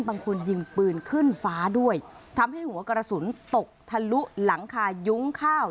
บางคนยิงปืนขึ้นฟ้าด้วยทำให้หัวกระสุนตกทะลุหลังคายุ้งข้าว